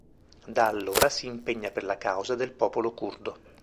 Da allora si impegna per la causa del popolo curdo.